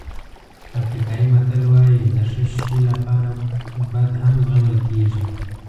افریقایي متل وایي د ښه شی لپاره بد هم زغمل کېږي.